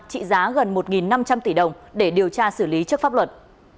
trị giá gần một năm trăm linh tỷ đồng để điều tra xử lý trước pháp luật